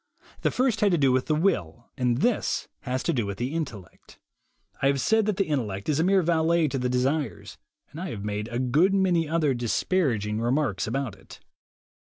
The first had to do with the will, and this has to do with the intel lect. I have said that the intellect is a mere valet to the desires, and I have made a good many other disparaging remarks about it.